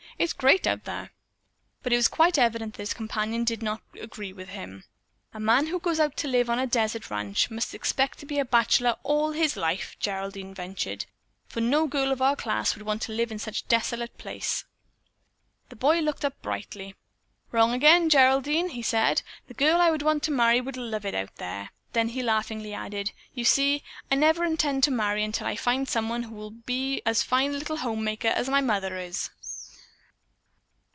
It's great out there!" But it was quite evident that his companion did not agree with him. "A man who goes out to live on a desert ranch must expect to be a bachelor all his life," Geraldine ventured, "for no girl of our class would want to live in such a desolate place." The boy looked up brightly. "Wrong again, Geraldine!" he said. "The girl I would want to marry would love it out there." Then he laughingly added: "You see, I never intend to marry until I find someone who will be as fine a little homemaker as my mother is.